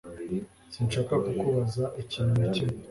Sinshaka kukubaza ikintu na kimwe